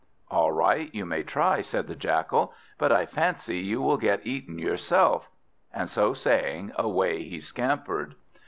"All right, you may try," said the Jackal, "but I fancy you will get eaten yourself." And so saying, away he scampered.